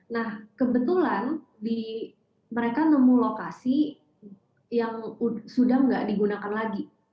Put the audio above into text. nah kebetulan mereka nemu lokasi yang sudah tidak digunakan lagi